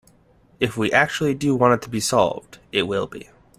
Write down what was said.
If we actually do want it solved, it will be.